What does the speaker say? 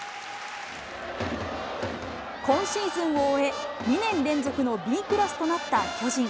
今シーズンを終え、２年連続のＢクラスとなった巨人。